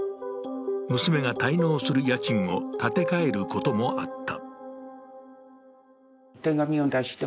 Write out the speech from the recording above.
娘が滞納する家賃を立て替えることもあった。